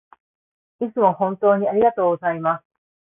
いつも本当にありがとうございます